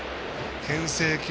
けん制球